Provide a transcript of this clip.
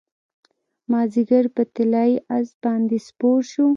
مازدیګر په طلايي اس باندې سپور شو